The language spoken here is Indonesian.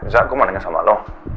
zak gue mau tanya sama lo